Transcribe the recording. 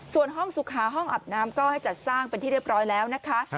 ส่วนห้องสุขาห้องอาบน้ำก็ให้จัดสร้างเป็นที่เรียบร้อยแล้วนะคะ